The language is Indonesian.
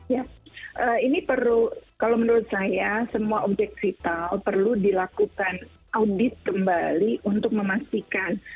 ya ini perlu kalau menurut saya semua objek vital perlu dilakukan audit kembali untuk memastikan